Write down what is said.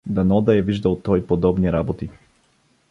Дано да е виждал, той подобни работи!